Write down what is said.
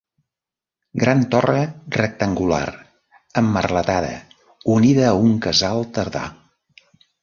Gran torre rectangular, emmerletada, unida a un casal tardà.